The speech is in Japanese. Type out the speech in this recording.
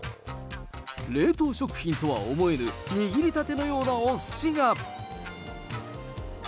冷凍食品とは思えぬ、握りたてのようなおすしが。